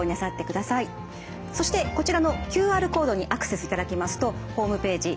そしてこちらのＱＲコードにアクセスいただきますとホームページ